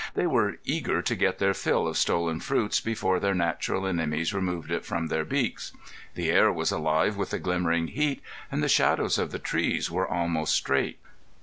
They were eager to get their fill of stolen fruits before their natural enemies removed it from their beaks. The air was alive with the glimmering heat, and the shadows of the trees were almost straight.